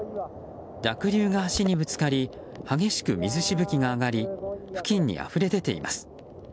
濁流が橋にぶつかり激しく水しぶきが上がり付近にあふれ出ています。